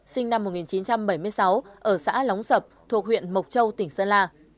sinh năm một nghìn chín trăm bảy mươi sáu ở xã lóng sập thuộc huyện mộc châu tỉnh sơn la